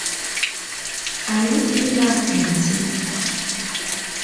Are you in love, Elise?